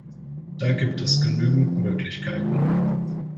Da gibt es genügend Möglichkeiten.